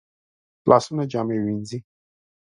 لاسونه جامې وینځي